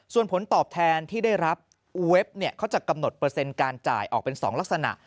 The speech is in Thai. ส่วนผลตอบแทนที่ได้รับเว็บเขาจะกำหนดเปอร์เซ็นต์การจ่ายออกเป็น๒ลักษณะ